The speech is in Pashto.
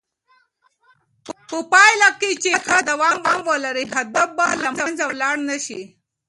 په پایله کې چې هڅه دوام ولري، هدف به له منځه ولاړ نه شي.